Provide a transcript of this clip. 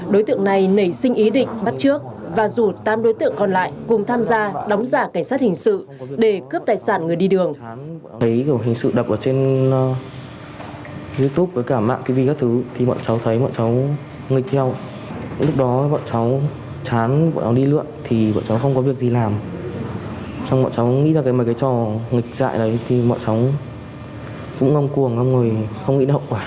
đối tượng này nảy sinh ý định bắt trước và rủ tám đối tượng còn lại cùng tham gia đóng giả cảnh sát hình sự để cướp tài sản người đi đường